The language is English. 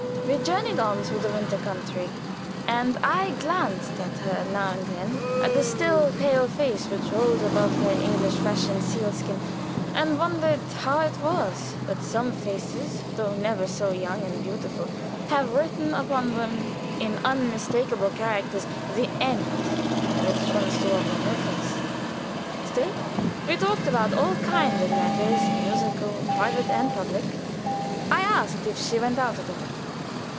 We journeyed on together through the winter country, and I glanced at her now and then at the still, pale face which rose above her English fashioned sealskin, and wondered how it was that some faces, though never so young and beautiful, have written upon them in unmistakable characters, "The End," as one saw upon her face. Still, we talked about all kinds of matters musical, private, and public. I asked if she went out at all.